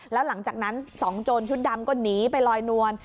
แล้วหลังจากนั้นสองโจรชุดดำก็หนีไปลอยนวล